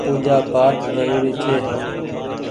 پوجآ پآٽ زروري ڇي۔